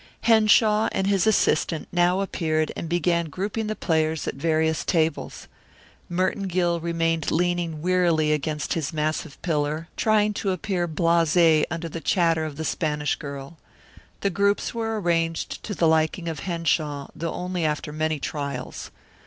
Henshaw and his assistant now appeared and began grouping the players at the various tables. Merton Gill remained leaning wearily against his massive pillar, trying to appear blase under the chatter of the Spanish girl. The groups were arranged to the liking of Henshaw, though only after many trials.